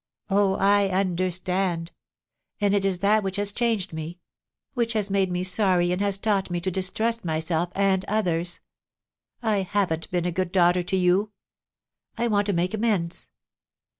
Oh, I understand. ... And it is that which has changed me — which has made me sorry and has taught me to distrust myself and others. ... I haven't been a good daughter to you. I want to make amends.